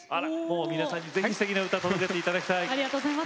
もう皆さんにぜひすてきな歌届けていただきたい。